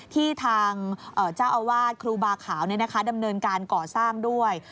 ทางเจ้าอาวาสครูบาขาวดำเนินการก่อสร้างด้วย